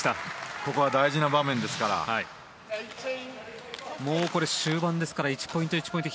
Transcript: ここは大事な場面ですから終盤ですから１ポイント１ポイント